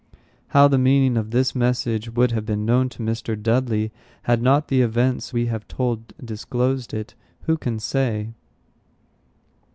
How the meaning of this message would have been known to Mr. Dudley, had not the events we have told disclosed it, who can say?